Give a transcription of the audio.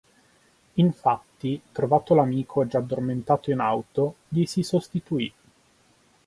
Infatti, trovato l'amico già addormentato in auto, gli si sostituì.